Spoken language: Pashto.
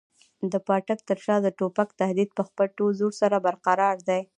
د پاټک تر شا د توپک تهدید په خپل ټول زور سره برقراره دی.